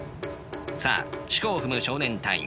さあしこを踏む少年隊員。